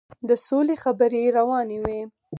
د سولې خبرې روانې وې.